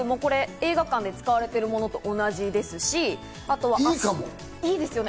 映画館で使われているものと同じですし。